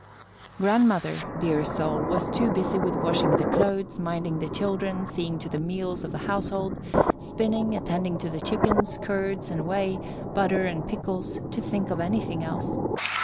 Grandmother, dear soul, was too busy with washing the clothes, minding the children, seeing to the meals of the household, spinning, attending to the chickens, curds and whey, butter, and pickles, to think of anything else.